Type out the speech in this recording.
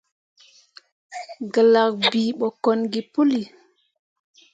Gǝlak bii ɓo kon gi puli.